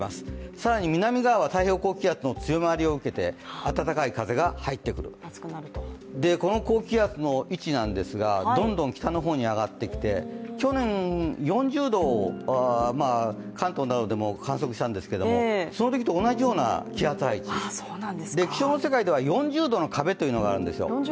更に南側は太平洋高気圧の強まりを受けて暖かい風が入ってくる、この高気圧の位置なんですがどんどん北の方に上がってきて、去年４０度を関東などでも観測したんですけれどもそのときと同じような気圧配置、気象の世界では４０度の壁というのがあるんです